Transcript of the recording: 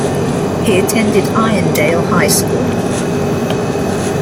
He attended Irondale High School.